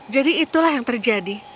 jadi itulah yang terjadi